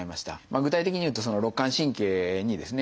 具体的にいうと肋間神経にですね